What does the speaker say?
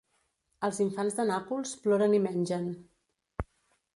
Els infants de Nàpols ploren i mengen.